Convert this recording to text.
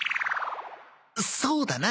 そうだな。